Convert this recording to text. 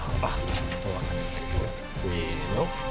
せの。